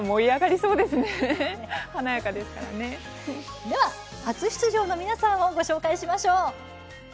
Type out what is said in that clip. それでは初出場の皆さんをご紹介しましょう。